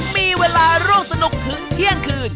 มีเวลาร่วมสนุกถึงเที่ยงคืน